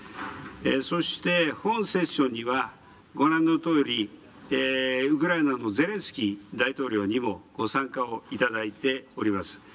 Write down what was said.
そして本セッションにはご覧のとおり、ウクライナのゼレンスキー大統領にもご参加を頂いております。